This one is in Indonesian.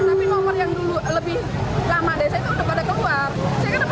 tapi nomor yang dulu lebih lama dari saya itu sudah pada keluar saya dapat rp sembilan ratus